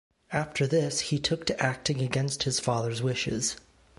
After this he took to acting against his father's wishes.